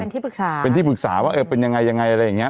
เป็นที่ปรึกษาเป็นที่ปรึกษาว่าเออเป็นยังไงยังไงอะไรอย่างเงี้